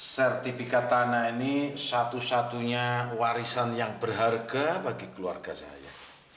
sertifikat tanah ini satu satunya warisan yang berharga bagi keluarga saya